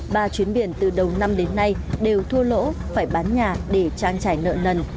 ba chuyến biển từ đầu năm đến nay đều thua lỗ phải bán nhà để trang trải nợ nần